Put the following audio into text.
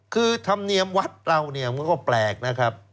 คือธรรมเนียมวัดเราก็แปลกนะครับ